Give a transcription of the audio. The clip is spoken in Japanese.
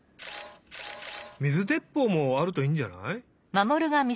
水でっぽうもあるといいんじゃない？